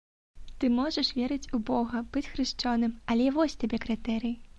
Ты можаш верыць у бога, быць хрышчоным, але вось табе крытэрый.